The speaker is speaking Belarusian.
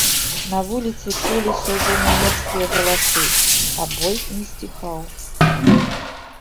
На вуліцы чуліся ўжо нямецкія галасы, а бой не сціхаў.